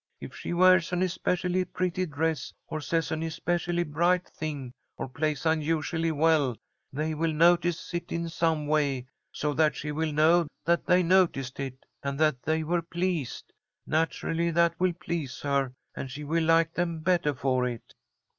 If she wears an especially pretty dress, or says an especially bright thing, or plays unusually well, they will notice it in some way so that she will know that they noticed it, and that they were pleased. Naturally that will please her, and she will like them bettah for it."